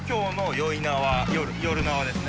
夜縄ですね。